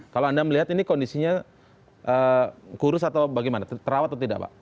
kalau anda melihat ini kondisinya kurus atau bagaimana terawat atau tidak pak